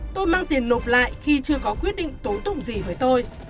tôi mang tiền nộp lại khi chưa có quyết định tố tụng gì với tôi